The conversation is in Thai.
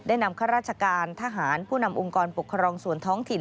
นำข้าราชการทหารผู้นำองค์กรปกครองส่วนท้องถิ่น